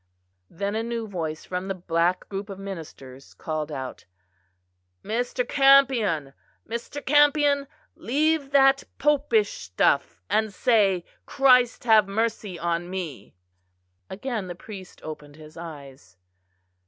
Then a new voice from the black group of ministers called out: "Mr. Campion, Mr. Campion, leave that popish stuff, and say, 'Christ have mercy on me.'" Again the priest opened his eyes.